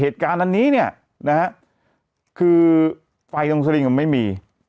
เหตุการณ์อันนี้เนี่ยนะฮะคือไฟตรงสลิงไม่มี